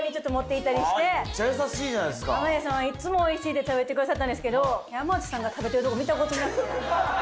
濱家さんはいつもおいしいって食べてくださったんですけど山内さんが食べてるとこ見たことなくて。